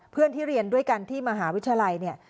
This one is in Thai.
เพื่อนที่เรียนด้วยกันที่มหาวิทยาลัยเนี่ย